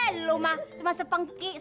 ya lu mah cuma sepenginya